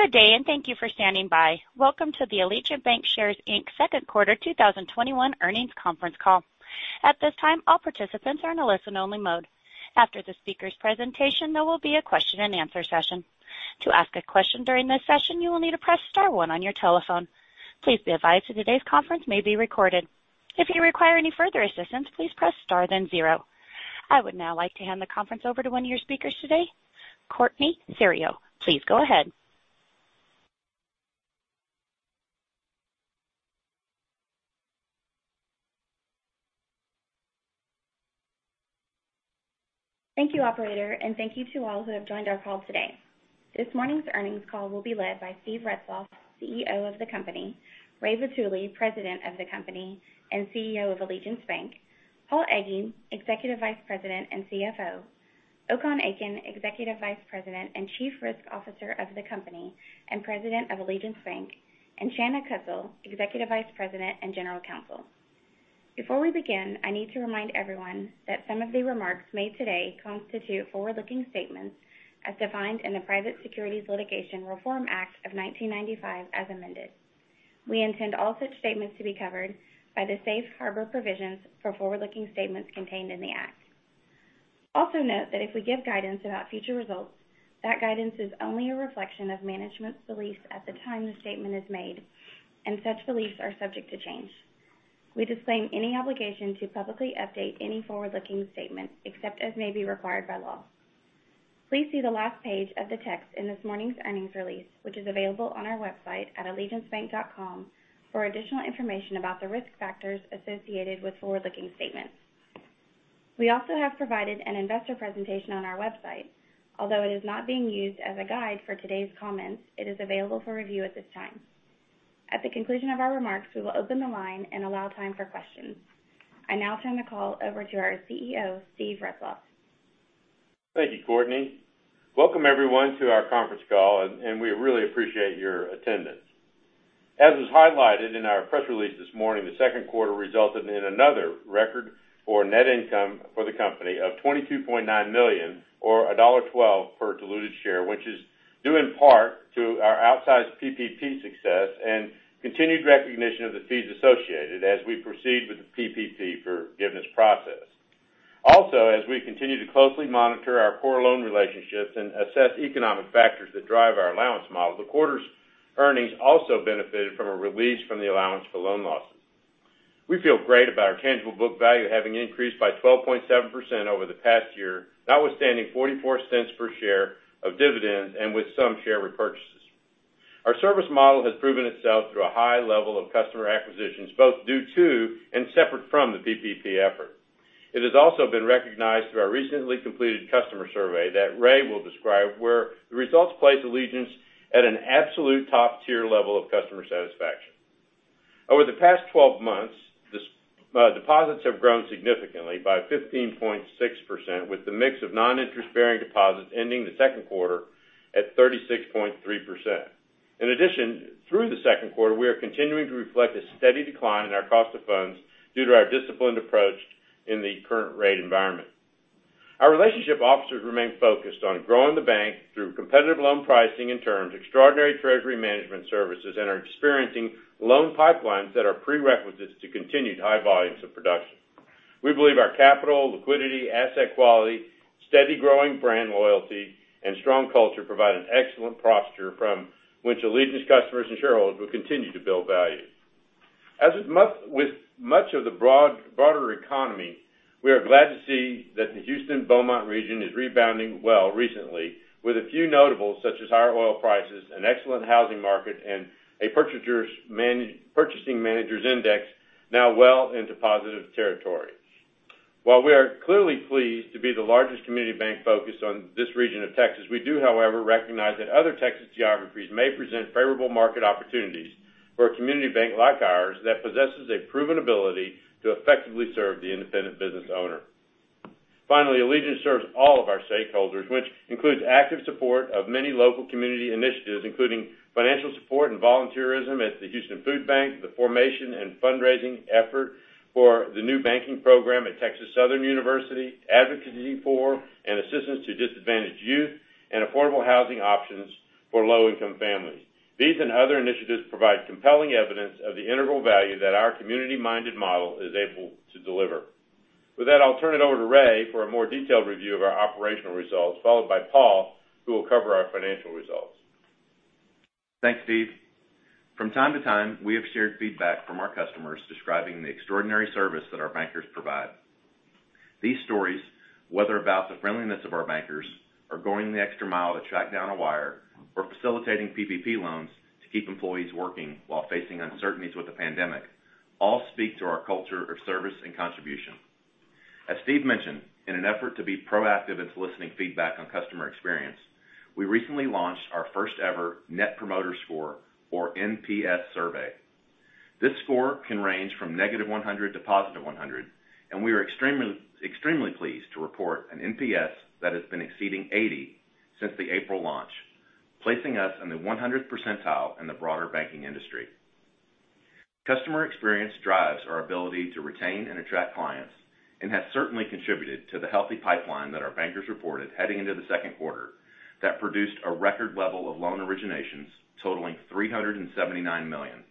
Good day. Thank you for standing by. Welcome to the Allegiance Bancshares, Inc. second quarter 2021 earnings conference call. At this time, all participants are in a listen-only mode. After the speaker's presentation, there will be a question and answer session. To ask a question during this session, you will need to press star one on your telephone. Please be advised that today's conference may be recorded. If you require any further assistance, please press star, then zero. I would now like to hand the conference over to one of your speakers today, Courtney Theriot. Please go ahead. Thank you, operator, and thank you to all who have joined our call today. This morning's earnings call will be led by Steve Retzloff, CEO of the company, Ray Vitulli, President of the company and CEO of Allegiance Bank, Paul Egge, Executive Vice President and CFO, Okan Akin, Executive Vice President and Chief Risk Officer of the company and President of Allegiance Bank, and Shanna Kuzdzal, Executive Vice President and General Counsel. Before we begin, I need to remind everyone that some of the remarks made today constitute forward-looking statements as defined in the Private Securities Litigation Reform Act of 1995 as amended. We intend all such statements to be covered by the safe harbor provisions for forward-looking statements contained in the act. Also note that if we give guidance about future results, that guidance is only a reflection of management's beliefs at the time the statement is made, and such beliefs are subject to change. We disclaim any obligation to publicly update any forward-looking statements except as may be required by law. Please see the last page of the text in this morning's earnings release, which is available on our website at allegiancebank.com for additional information about the risk factors associated with forward-looking statements. We also have provided an investor presentation on our website. Although it is not being used as a guide for today's comments, it is available for review at this time. At the conclusion of our remarks, we will open the line and allow time for questions. I now turn the call over to our CEO, Steve Retzloff. Thank you, Courtney. Welcome everyone to our conference call. We really appreciate your attendance. As was highlighted in our press release this morning, the second quarter resulted in another record for net income for the company of $22.9 million or $1.12 per diluted share, which is due in part to our outsized PPP success and continued recognition of the fees associated as we proceed with the PPP forgiveness process. As we continue to closely monitor our core loan relationships and assess economic factors that drive our allowance model, the quarter's earnings also benefited from a release from the allowance for loan losses. We feel great about our tangible book value having increased by 12.7% over the past year, notwithstanding $0.44 per share of dividends and with some share repurchases. Our service model has proven itself through a high level of customer acquisitions, both due to and separate from the PPP effort. It has also been recognized through our recently completed customer survey that Ray will describe, where the results place Allegiance Bank at an absolute top-tier level of customer satisfaction. Over the past 12 months, deposits have grown significantly by 15.6%, with the mix of non-interest-bearing deposits ending the second quarter at 36.3%. In addition, through the second quarter, we are continuing to reflect a steady decline in our cost of funds due to our disciplined approach in the current rate environment. Our relationship officers remain focused on growing the bank through competitive loan pricing and terms, extraordinary treasury management services, and are experiencing loan pipelines that are prerequisites to continued high volumes of production. We believe our capital, liquidity, asset quality, steady growing brand loyalty, and strong culture provide an excellent posture from which Allegiance customers and shareholders will continue to build value. As with much of the broader economy, we are glad to see that the Houston-Beaumont region is rebounding well recently with a few notables, such as higher oil prices, an excellent housing market, and a Purchasing Managers Index now well into positive territory. While we are clearly pleased to be the largest community bank focused on this region of Texas, we do, however, recognize that other Texas geographies may present favorable market opportunities for a community bank like ours that possesses a proven ability to effectively serve the independent business owner. Finally, Allegiance serves all of our stakeholders, which includes active support of many local community initiatives, including financial support and volunteerism at the Houston Food Bank, the formation and fundraising effort for the new banking program at Texas Southern University, advocacy for and assistance to disadvantaged youth, and affordable housing options for low-income families. These and other initiatives provide compelling evidence of the integral value that our community-minded model is able to deliver. With that, I'll turn it over to Ray for a more detailed review of our operational results, followed by Paul, who will cover our financial results. Thanks, Steve. From time to time, we have shared feedback from our customers describing the extraordinary service that our bankers provide. These stories, whether about the friendliness of our bankers, or going the extra mile to track down a wire, or facilitating PPP loans to keep employees working while facing uncertainties with the pandemic, all speak to our culture of service and contribution. As Steve mentioned, in an effort to be proactive in soliciting feedback on customer experience, we recently launched our first-ever Net Promoter Score or NPS survey. This score can range from -100 to +100, and we are extremely pleased to report an NPS that has been exceeding 80 since the April launch, placing us in the 100th percentile in the broader banking industry. Customer experience drives our ability to retain and attract clients, and has certainly contributed to the healthy pipeline that our bankers reported heading into the second quarter that produced a record level of loan originations totaling $379 million.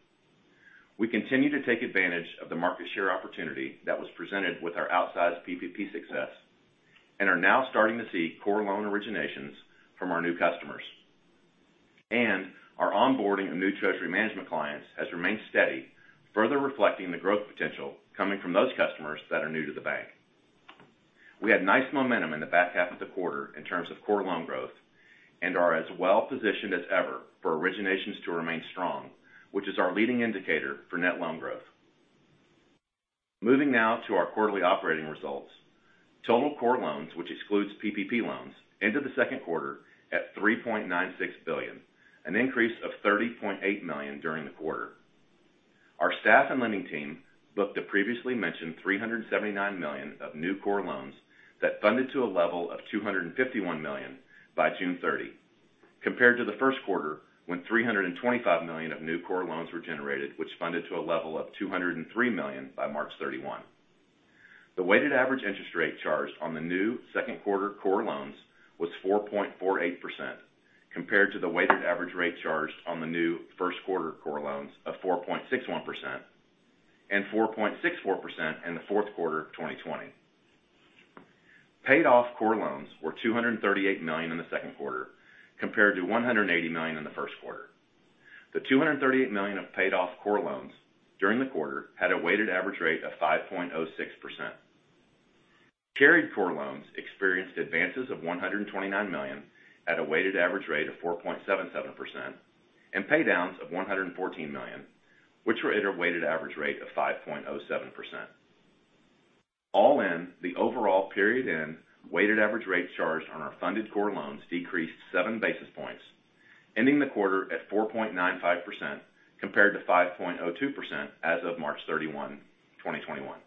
We continue to take advantage of the market share opportunity that was presented with our outsized PPP success, and are now starting to see core loan originations from our new customers. Our onboarding of new treasury management clients has remained steady, further reflecting the growth potential coming from those customers that are new to the bank. We had nice momentum in the back half of the quarter in terms of core loan growth and are as well-positioned as ever for originations to remain strong, which is our leading indicator for net loan growth. Moving now to our quarterly operating results. Total core loans, which excludes PPP loans, ended the second quarter at $3.96 billion, an increase of $30.8 million during the quarter. Our staff and lending team booked the previously mentioned $379 million of new core loans that funded to a level of $251 million by June 30, compared to the first quarter, when $325 million of new core loans were generated, which funded to a level of $203 million by March 31. The weighted average interest rate charged on the new second quarter core loans was 4.48%, compared to the weighted average rate charged on the new first quarter core loans of 4.61%, and 4.64% in the fourth quarter of 2020. Paid off core loans were $238 million in the second quarter, compared to $180 million in the first quarter. The $238 million of paid off core loans during the quarter had a weighted average rate of 5.06%. Carried core loans experienced advances of $129 million at a weighted average rate of 4.77%, and paydowns of $114 million, which were at a weighted average rate of 5.07%. All in, the overall period end weighted average rate charged on our funded core loans decreased 7 basis points, ending the quarter at 4.95%, compared to 5.02% as of March 31, 2021.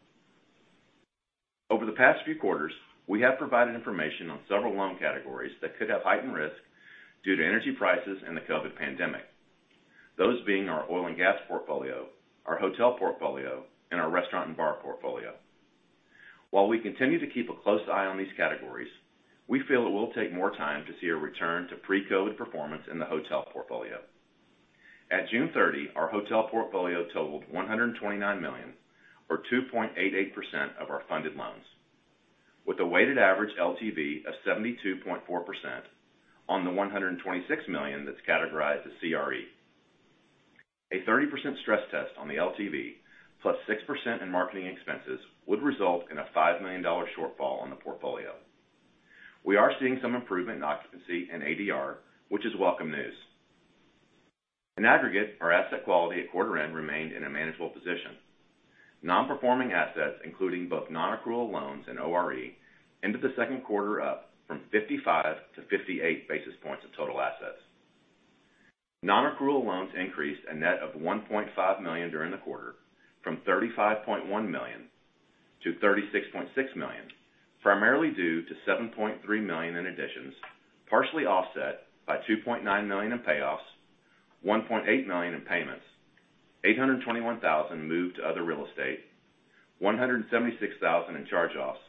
Over the past few quarters, we have provided information on several loan categories that could have heightened risk due to energy prices and the COVID pandemic, those being our oil and gas portfolio, our hotel portfolio, and our restaurant and bar portfolio. While we continue to keep a close eye on these categories, we feel it will take more time to see a return to pre-COVID performance in the hotel portfolio. At June 30, our hotel portfolio totaled $129 million, or 2.88% of our funded loans, with a weighted average LTV of 72.4% on the $126 million that's categorized as CRE. A 30% stress test on the LTV plus 6% in marketing expenses would result in a $5 million shortfall on the portfolio. We are seeing some improvement in occupancy and ADR, which is welcome news. In aggregate, our asset quality at quarter end remained in a manageable position. Non-performing assets, including both non-accrual loans and ORE, ended the second quarter up from 55 to 58 basis points of total assets. Non-accrual loans increased a net of $1.5 million during the quarter, from $35.1 million to $36.6 million, primarily due to $7.3 million in additions, partially offset by $2.9 million in payoffs, $1.8 million in payments, $821,000 moved to other real estate, $176,000 in charge-offs,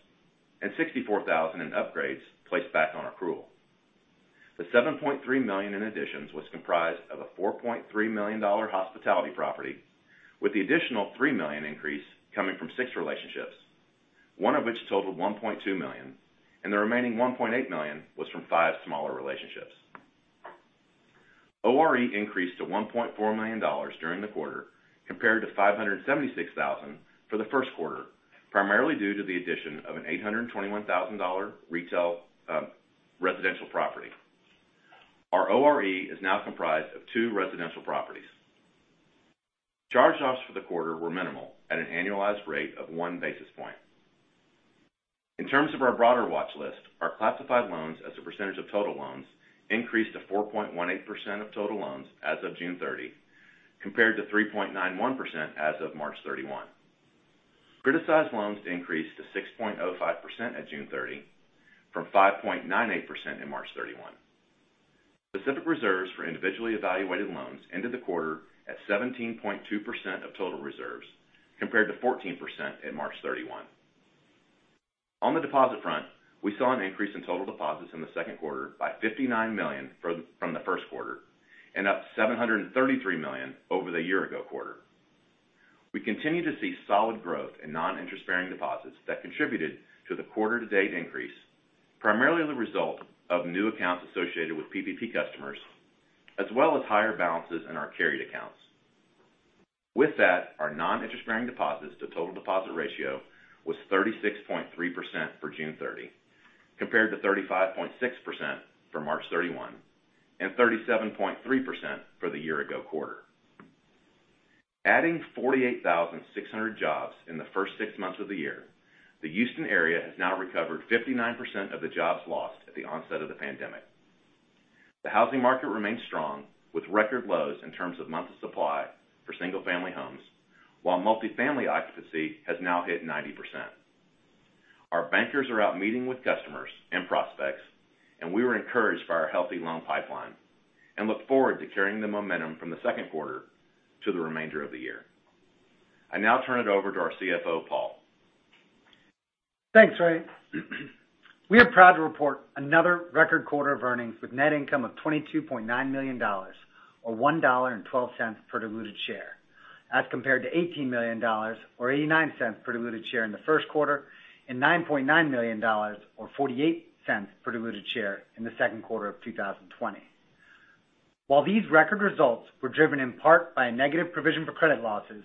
and $64,000 in upgrades placed back on accrual. The $7.3 million in additions was comprised of a $4.3 million hospitality property, with the additional $3 million increase coming from six relationships, one of which totaled $1.2 million. The remaining $1.8 million was from five smaller relationships. ORE increased to $1.4 million during the quarter, compared to $576,000 for the first quarter, primarily due to the addition of an $821,000 residential property. Our ORE is now comprised of two residential properties. Charge-offs for the quarter were minimal, at an annualized rate of one basis point. In terms of our broader watch list, our classified loans as a % of total loans increased to 4.18% of total loans as of June 30, compared to 3.91% as of March 31. Criticized loans increased to 6.05% at June 30 from 5.98% in March 31. Specific reserves for individually evaluated loans ended the quarter at 17.2% of total reserves, compared to 14% at March 31. On the deposit front, we saw an increase in total deposits in the second quarter by $59 million from the first quarter, and up $733 million over the year ago quarter. We continue to see solid growth in non-interest-bearing deposits that contributed to the quarter to date increase, primarily the result of new accounts associated with PPP customers, as well as higher balances in our carried accounts. With that, our non-interest-bearing deposits to total deposit ratio was 36.3% for June 30, compared to 35.6% for March 31 and 37.3% for the year ago quarter. Adding 48,600 jobs in the first six months of the year, the Houston area has now recovered 59% of the jobs lost at the onset of the pandemic. The housing market remains strong with record lows in terms of months of supply for single family homes, while multifamily occupancy has now hit 90%. Our bankers are out meeting with customers and prospects, and we were encouraged by our healthy loan pipeline and look forward to carrying the momentum from the second quarter to the remainder of the year. I now turn it over to our CFO, Paul Egge. Thanks, Ray. We are proud to report another record quarter of earnings with net income of $22.9 million, or $1.12 per diluted share, as compared to $18 million, or $0.89 per diluted share in the first quarter, and $9.9 million or $0.48 per diluted share in the second quarter of 2020. While these record results were driven in part by a negative provision for credit losses,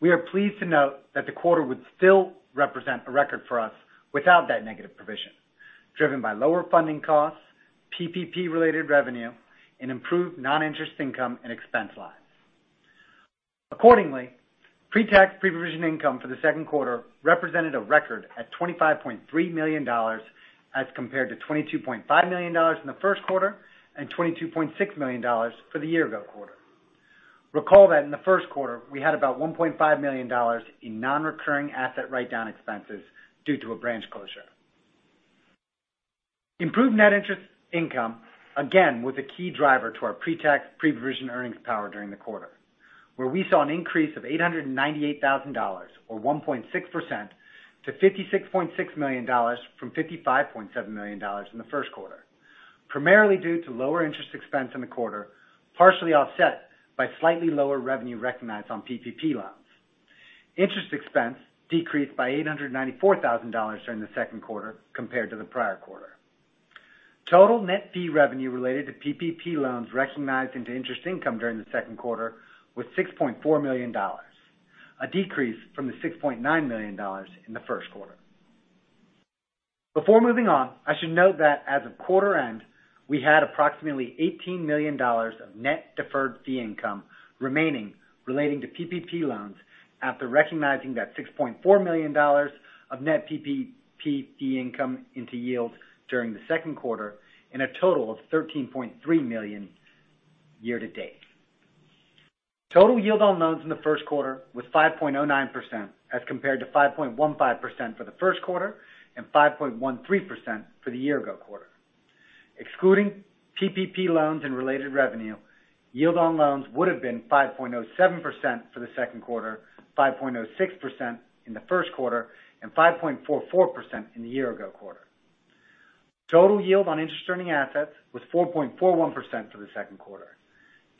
we are pleased to note that the quarter would still represent a record for us without that negative provision, driven by lower funding costs, PPP-related revenue and improved non-interest income and expense lines. Accordingly, pre-tax pre-provision income for the second quarter represented a record at $25.3 million, as compared to $22.5 million in the first quarter and $22.6 million for the year ago quarter. Recall that in the first quarter, we had about $1.5 million in non-recurring asset write-down expenses due to a branch closure. Improved net interest income again was a key driver to our pre-tax pre-provision earnings power during the quarter, where we saw an increase of $898,000, or 1.6%, to $56.6 million from $55.7 million in the first quarter, primarily due to lower interest expense in the quarter, partially offset by slightly lower revenue recognized on PPP loans. Interest expense decreased by $894,000 during the second quarter compared to the prior quarter. Total net fee revenue related to PPP loans recognized into interest income during the second quarter was $6.4 million, a decrease from the $6.9 million in the first quarter. Before moving on, I should note that as of quarter end, we had approximately $18 million of net deferred fee income remaining relating to PPP loans after recognizing that $6.4 million of net PPP fee income into yield during the second quarter and a total of $13.3 million year to date. Total yield on loans in the first quarter was 5.09%, as compared to 5.15% for the first quarter and 5.13% for the year ago quarter. Excluding PPP loans and related revenue, yield on loans would've been 5.07% for the second quarter, 5.06% in the first quarter and 5.44% in the year ago quarter. Total yield on interest-earning assets was 4.41% for the second quarter,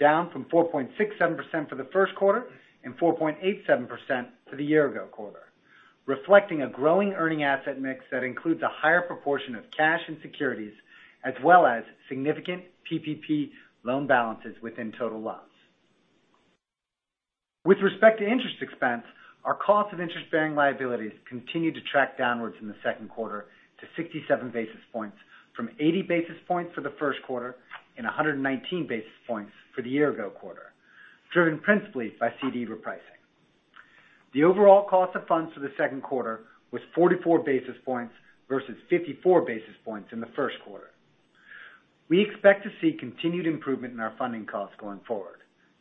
down from 4.67% for the first quarter and 4.87% for the year ago quarter, reflecting a growing earning asset mix that includes a higher proportion of cash and securities, as well as significant PPP loan balances within total loans. With respect to interest expense, our cost of interest-bearing liabilities continued to track downwards in the second quarter to 67 basis points from 80 basis points for the first quarter and 119 basis points for the year ago quarter, driven principally by CD repricing. The overall cost of funds for the second quarter was 44 basis points versus 54 basis points in the first quarter. We expect to see continued improvement in our funding costs going forward,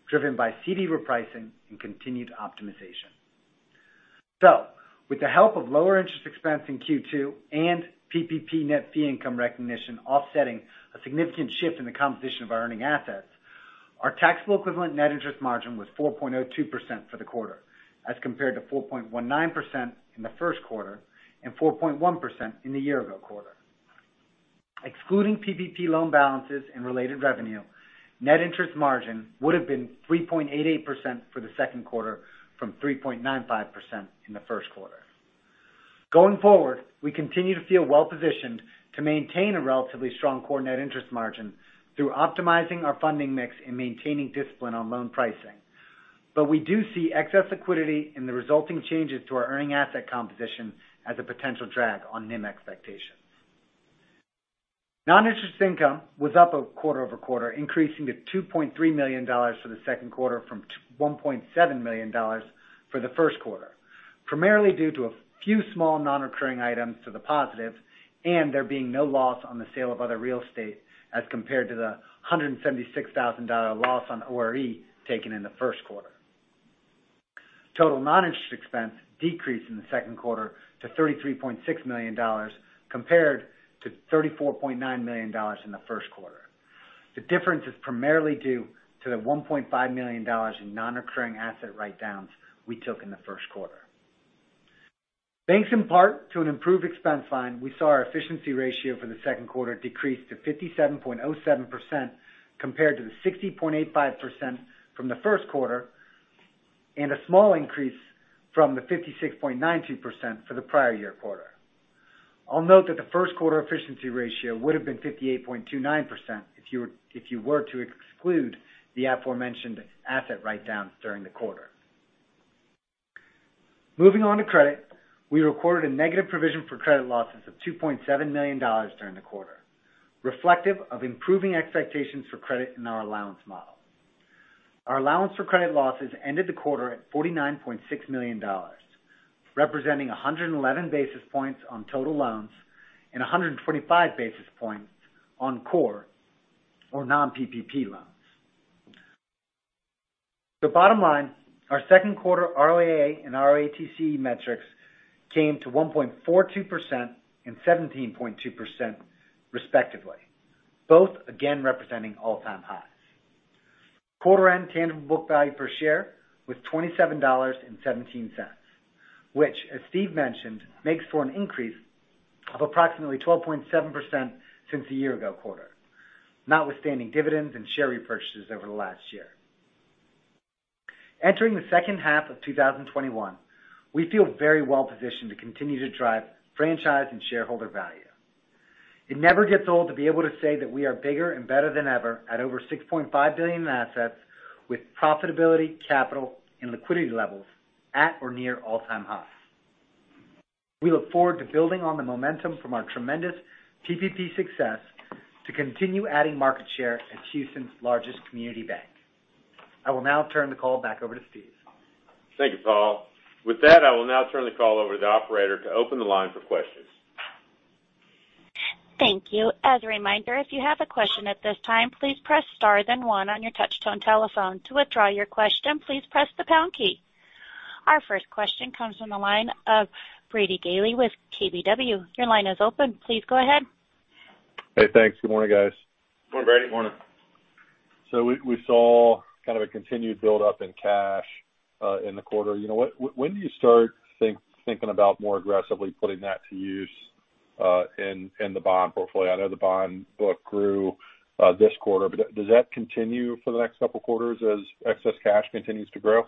driven by CD repricing and continued optimization. With the help of lower interest expense in Q2 and PPP net fee income recognition offsetting a significant shift in the composition of our earning assets, our taxable equivalent net interest margin was 4.02% for the quarter, as compared to 4.19% in the first quarter and 4.1% in the year-ago quarter. Excluding PPP loan balances and related revenue, net interest margin would've been 3.88% for the second quarter from 3.95% in the first quarter. Going forward, we continue to feel well-positioned to maintain a relatively strong core net interest margin through optimizing our funding mix and maintaining discipline on loan pricing. We do see excess liquidity in the resulting changes to our earning asset composition as a potential drag on NIM expectations. Non-interest income was up quarter-over-quarter, increasing to $2.3 million for the second quarter from $1.7 million for the first quarter, primarily due to a few small non-recurring items to the positive and there being no loss on the sale of other real estate as compared to the $176,000 loss on ORE taken in the first quarter. Total non-interest expense decreased in the second quarter to $33.6 million, compared to $34.9 million in the first quarter. The difference is primarily due to the $1.5 million in non-recurring asset write-downs we took in the first quarter. Thanks in part to an improved expense line, we saw our efficiency ratio for the second quarter decrease to 57.07% compared to the 60.85% from the first quarter and a small increase from the 56.92% for the prior year quarter. I'll note that the first quarter efficiency ratio would've been 58.29% if you were to exclude the aforementioned asset write-downs during the quarter. Moving on to credit, we recorded a negative provision for credit losses of $2.7 million during the quarter, reflective of improving expectations for credit in our allowance model. Our allowance for credit losses ended the quarter at $49.6 million, representing 111 basis points on total loans and 145 basis points on core or non-PPP loans. Bottom line, our second quarter ROAA and ROATC metrics came to 1.42% and 17.2%, respectively. Both again representing all-time highs. Quarter-end tangible book value per share was $27.17, which, as Steve mentioned, makes for an increase of approximately 12.7% since the year ago quarter, notwithstanding dividends and share repurchases over the last year. Entering the second half of 2021, we feel very well positioned to continue to drive franchise and shareholder value. It never gets old to be able to say that we are bigger and better than ever at over $6.5 billion in assets, with profitability, capital, and liquidity levels at or near all-time highs. We look forward to building on the momentum from our tremendous PPP success to continue adding market share as Houston's largest community bank. I will now turn the call back over to Steve. Thank you, Paul. With that, I will now turn the call over to the operator to open the line for questions. Thank you. As a reminder, if you have a question at this time, please press star then one on your touch tone telephone. To withdraw your question, please press the pound key. Our first question comes from the line of Brady Gailey with KBW. Your line is open. Please go ahead. Hey, thanks. Good morning, guys. Good morning, Brady. Good morning. We saw kind of a continued buildup in cash, in the quarter. When do you start thinking about more aggressively putting that to use in the bond portfolio? I know the bond book grew this quarter, does that continue for the next couple of quarters as excess cash continues to grow?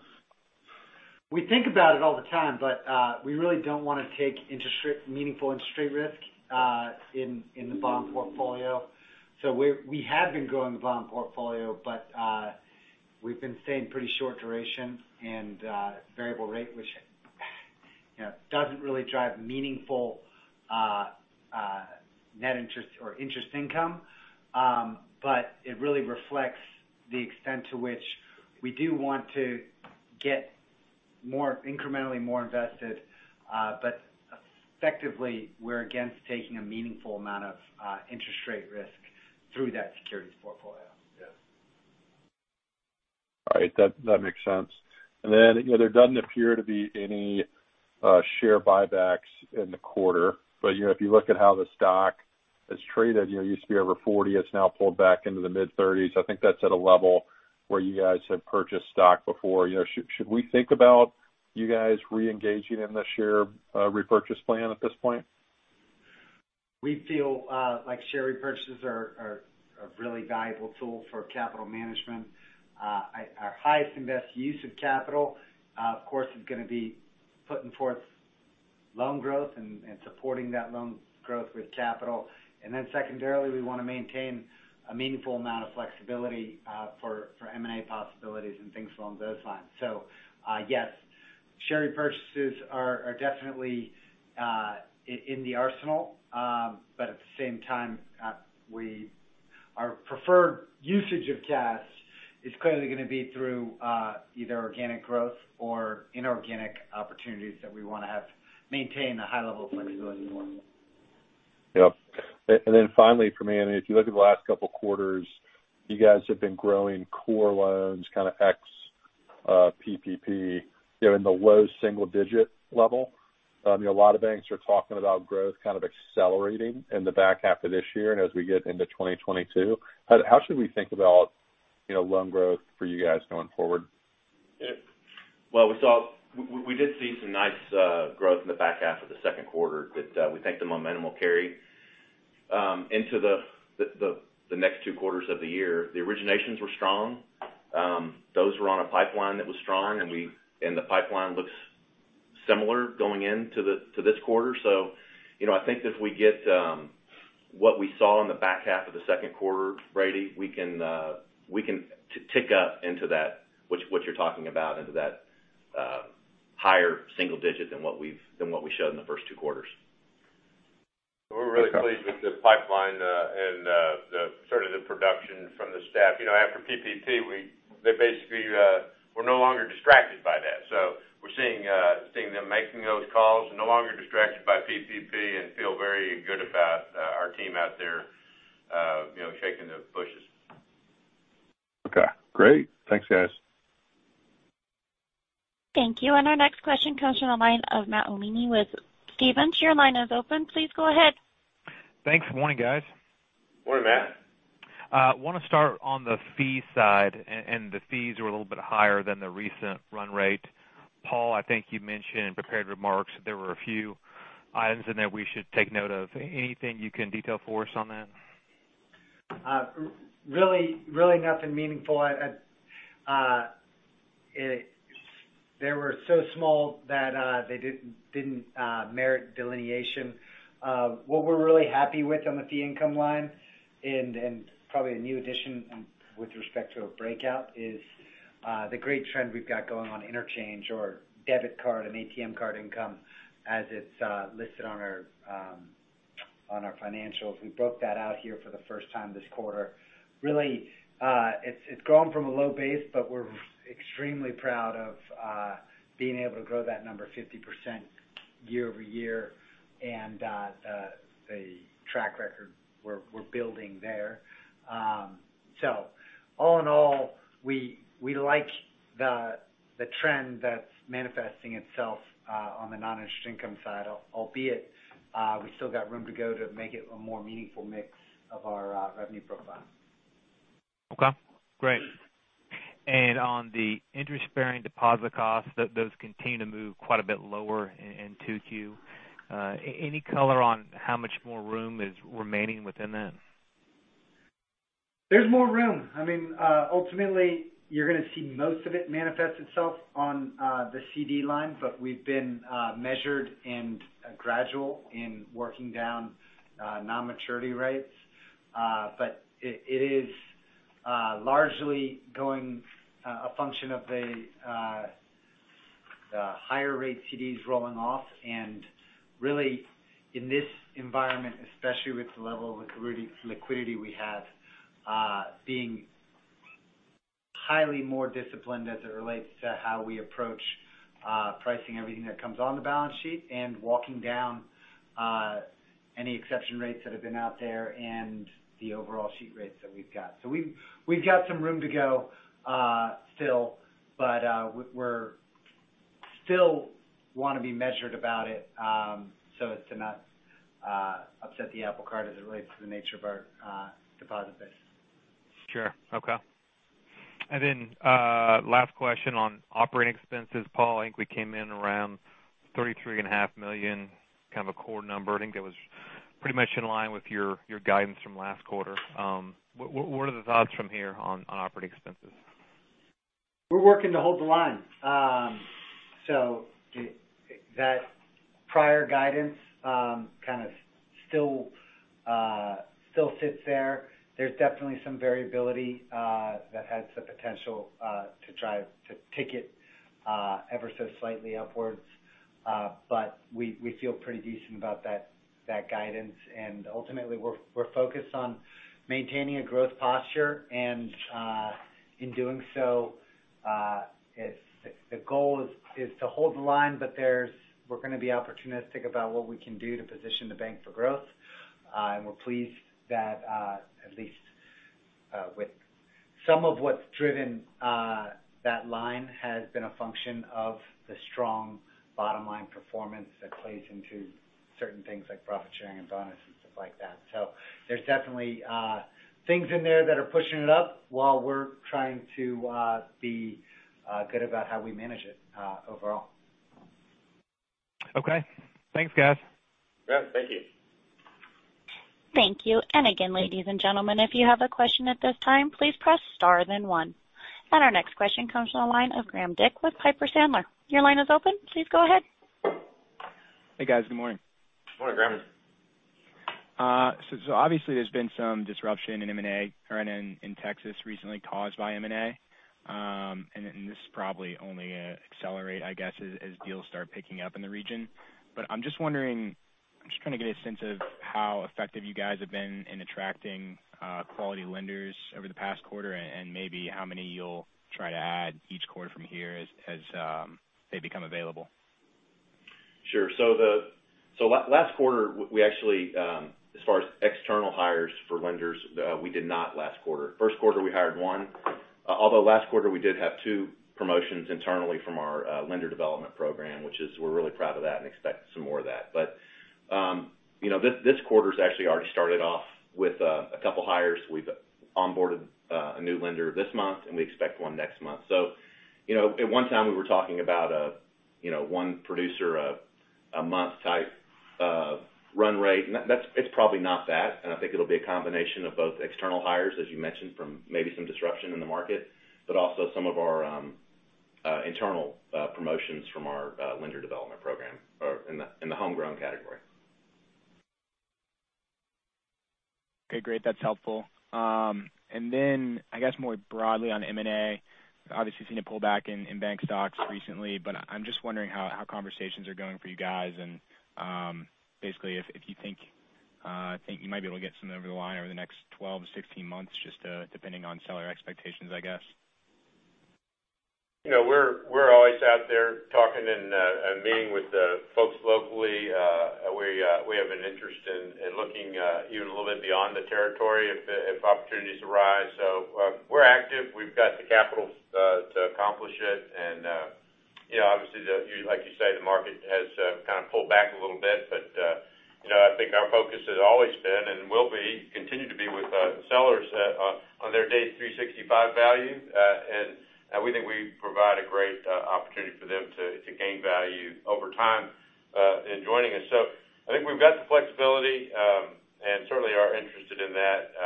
We think about it all the time, but we really don't want to take meaningful interest rate risk in the bond portfolio. We have been growing the bond portfolio, but we've been staying pretty short duration and variable rate, which doesn't really drive meaningful net interest or interest income. It really reflects the extent to which we do want to get incrementally more invested. Effectively, we're against taking a meaningful amount of interest rate risk through that securities portfolio. Yeah. All right. That makes sense. There doesn't appear to be any share buybacks in the quarter. If you look at how the stock has traded, it used to be over $40, it's now pulled back into the mid-$30s. I think that's at a level where you guys have purchased stock before. Should we think about you guys reengaging in the share repurchase plan at this point? We feel like share repurchases are a really valuable tool for capital management. Our highest and best use of capital, of course, is going to be putting forth loan growth and supporting that loan growth with capital. Secondarily, we want to maintain a meaningful amount of flexibility for M&A possibilities and things along those lines. Yes, share repurchases are definitely in the arsenal. At the same time, our preferred usage of cash is clearly going to be through either organic growth or inorganic opportunities that we want to have maintain a high level of flexibility going forward. Yep. Finally from me, if you look at the last couple of quarters, you guys have been growing core loans, kind of ex-PPP, in the low single-digit level. A lot of banks are talking about growth kind of accelerating in the back half of this year and as we get into 2022. How should we think about loan growth for you guys going forward? Well, we did see some nice growth in the back half of the second quarter that we think the momentum will carry into the next two quarters of the year. The originations were strong. Those were on a pipeline that was strong. The pipeline looks similar going into this quarter. I think if we get what we saw in the back half of the second quarter, Brady, we can tick up into that, what you're talking about, into that higher single digit than what we've shown in the first two quarters. We're really pleased with the pipeline and the sort of the production from the staff. After PPP, we're no longer distracted by that. We're seeing them making those calls and no longer distracted by PPP and feel very good about our team out there shaking the bushes. Okay, great. Thanks, guys. Thank you. Our next question comes from the line of Matthew Olney with Stephens. Your line is open. Please go ahead. Thanks. Morning, guys. Morning, Matt. I want to start on the fee side, and the fees were a little bit higher than the recent run rate. Paul, I think you mentioned in prepared remarks that there were a few items in there we should take note of. Anything you can detail for us on that? Really nothing meaningful. They were so small that they didn't merit delineation. What we're really happy with on the fee income line, and probably a new addition with respect to a breakout, is the great trend we've got going on interchange or debit card and ATM card income as it's listed on our financials. We broke that out here for the first time this quarter. Really, it's grown from a low base, but we're extremely proud of being able to grow that number 50% year-over-year and the track record we're building there. All in all, we like the trend that's manifesting itself on the non-interest income side, albeit we still got room to go to make it a more meaningful mix of our revenue profile. Okay, great. On the interest-bearing deposit costs, those continue to move quite a bit lower in 2Q. Any color on how much more room is remaining within them? There's more room. Ultimately, you're going to see most of it manifest itself on the CD line, but we've been measured and gradual in working down non-maturity rates. It is largely going a function of the higher rate CDs rolling off and really in this environment, especially with the level of liquidity we have, being highly more disciplined as it relates to how we approach pricing everything that comes on the balance sheet and walking down any exception rates that have been out there and the overall sheet rates that we've got. We've got some room to go still, but we still want to be measured about it, so as to not upset the apple cart as it relates to the nature of our deposit base. Sure. Okay. Last question on operating expenses, Paul. I think we came in around $33.5 million, kind of a core number. I think that was pretty much in line with your guidance from last quarter. What are the thoughts from here on operating expenses? We're working to hold the line. That prior guidance kind of still sits there. There's definitely some variability that has the potential to tick it ever so slightly upwards. We feel pretty decent about that guidance. Ultimately, we're focused on maintaining a growth posture. In doing so, the goal is to hold the line. We're going to be opportunistic about what we can do to position the bank for growth. We're pleased that at least with some of what's driven that line has been a function of the strong bottom line performance that plays into certain things like profit sharing and bonus and stuff like that. There's definitely things in there that are pushing it up while we're trying to be good about how we manage it overall. Okay. Thanks, guys. Yeah, thank you. Thank you. Again, ladies and gentlemen, if you have a question at this time, please press star, then one. Our next question comes from the line of Graham Dick with Piper Sandler. Your line is open. Please go ahead. Hey, guys. Good morning. Good morning, Graham. Obviously there's been some disruption in M&A or in Texas recently caused by M&A. This is probably only going to accelerate, I guess, as deals start picking up in the region. I'm just wondering, I'm just trying to get a sense of how effective you guys have been in attracting quality lenders over the past quarter, and maybe how many you'll try to add each quarter from here as they become available. Sure. Last quarter, as far as external hires for lenders, we did not last quarter. First quarter, we hired one. Although last quarter, we did have two promotions internally from our lender development program, which is we're really proud of that and expect some more of that. This quarter's actually already started off with a couple hires. We've onboarded a new lender this month, and we expect one next month. At one time we were talking about one producer a month type run rate. It's probably not that, and I think it'll be a combination of both external hires, as you mentioned, from maybe some disruption in the market, but also some of our internal promotions from our lender development program in the homegrown category. Okay, great. That's helpful. I guess more broadly on M&A, obviously seen a pullback in bank stocks recently, but I'm just wondering how conversations are going for you guys and basically if you think you might be able to get some over the line over the next 12-16 months, just depending on seller expectations, I guess. We're always out there talking and meeting with folks locally. We have an interest in looking even a little bit beyond the territory if opportunities arise. We're active. We've got the capital to accomplish it. Obviously, like you say, the market has kind of pulled back a little bit. I think our focus has always been and will be, continue to be with sellers on their day 365 value. We think we provide a great opportunity for them to gain value over time in joining us. I think we've got the flexibility and certainly are interested in that,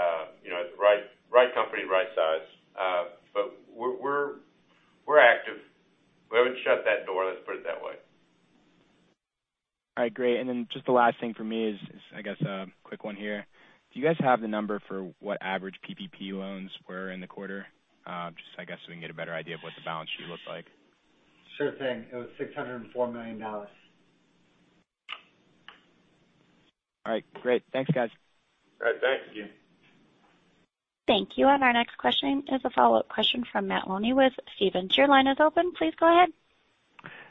right company, right size. We're active. We haven't shut that door, let's put it that way. All right, great. Just the last thing from me is, I guess, a quick one here. Do you guys have the number for what average PPP loans were in the quarter? I guess we can get a better idea of what the balance sheet looks like. Sure thing. It was $604 million. All right, great. Thanks, guys. All right, thank you. Thank you. Our next question is a follow-up question from Matthew Olney with Stephens. Your line is open. Please go ahead.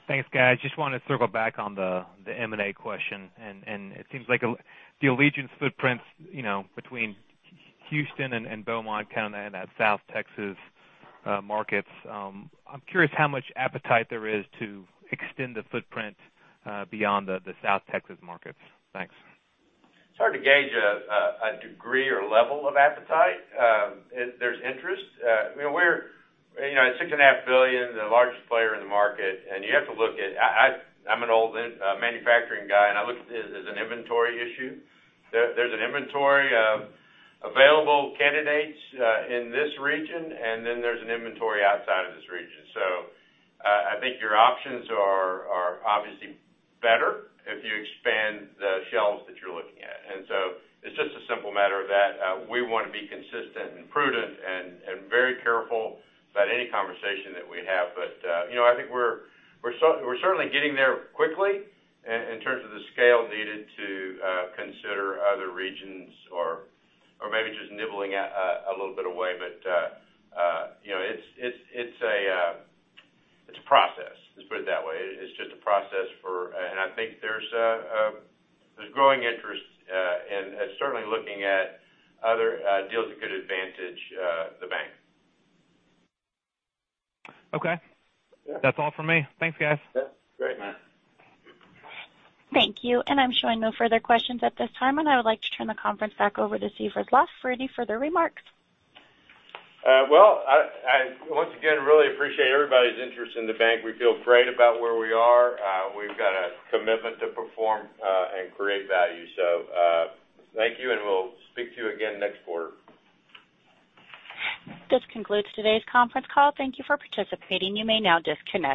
Thanks, guys. Just wanted to circle back on the M&A question, and it seems like the Allegiance footprints between Houston and Beaumont kind of in that South Texas markets. I'm curious how much appetite there is to extend the footprint beyond the South Texas markets. Thanks. It's hard to gauge a degree or level of appetite. There's interest. At $6.5 billion, the largest player in the market, and you have to look at-- I'm an old manufacturing guy, and I look at it as an inventory issue. There's an inventory of available candidates in this region, and then there's an inventory outside of this region. I think your options are obviously better if you expand the shelves that you're looking at. It's just a simple matter of that. We want to be consistent and prudent and very careful about any conversation that we have. I think we're certainly getting there quickly in terms of the scale needed to consider other regions or maybe just nibbling a little bit away. It's a process, let's put it that way. It's just a process, and I think there's growing interest and certainly looking at other deals that could advantage the bank. Okay. Yeah. That's all for me. Thanks, guys. Yeah, great, Matt. Thank you. I'm showing no further questions at this time, and I would like to turn the conference back over to Steve Retzloff for any further remarks. Once again, really appreciate everybody's interest in the bank. We feel great about where we are. We've got a commitment to perform and create value. Thank you, and we'll speak to you again next quarter. This concludes today's conference call. Thank you for participating. You may now disconnect.